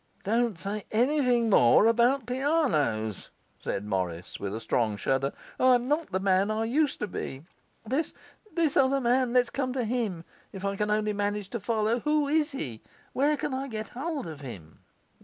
'Don't say anything more about pianos,' said Morris, with a strong shudder; 'I'm not the man I used to be! This this other man let's come to him, if I can only manage to follow. Who is he? Where can I get hold of him?